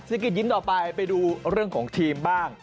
กิจยิ้มต่อไปไปดูเรื่องของทีมบ้าง